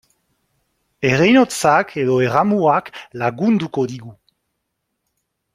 Ereinotzak edo erramuak lagunduko digu.